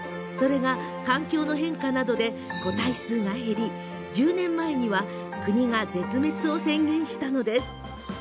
それが環境の変化などで個体数が減り、１０年前には国が絶滅を宣言したのです。